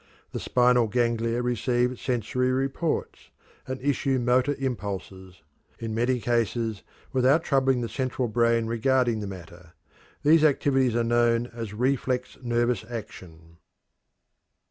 The spinal ganglia receive sensory reports, and issue motor impulses, in many cases, without troubling the central brain regarding the matter. These activities are known as "reflex nervous action."